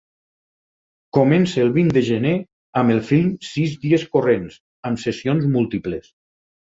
Comence el vint de gener amb el film "Sis dies corrents" amb sessions múltiples.